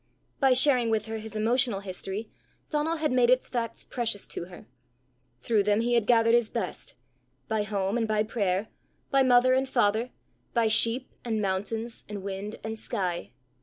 By sharing with her his emotional history, Donal had made its facts precious to her; through them he had gathered his best by home and by prayer, by mother and father, by sheep and mountains and wind and sky.